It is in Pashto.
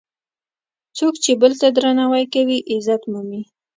څوک چې بل ته درناوی کوي، عزت مومي.